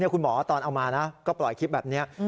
คุณหมอตอนเอามานะก็ปล่อยคลิปแบบนี้